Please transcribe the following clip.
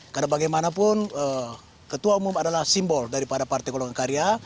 karena bagaimanapun ketua umum adalah simbol daripada partai golongan karya